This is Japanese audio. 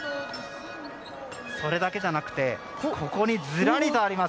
それだけじゃなくてここにずらりとあります